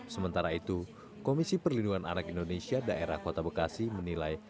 sementara itu komisi perlindungan anak indonesia daerah kota bekasi menilai